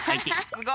すごい！